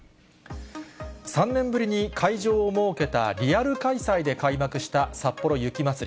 ３年ぶりに会場を設けたリアル開催で開幕したさっぽろ雪まつり。